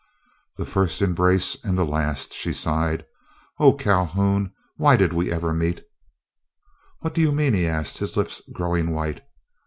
"The first embrace, and the last," she sighed. "Oh, Calhoun, why did we ever meet?" "What do you mean?" he asked, his lips growing white.